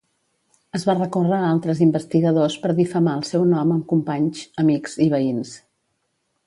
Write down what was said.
Es va recórrer a altres investigadors per difamar el seu nom amb companys, amics i veïns.